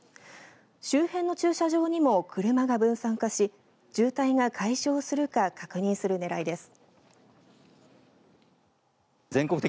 周辺の駐車場にも車が分散化し渋滞が解消するか確認するねらいです。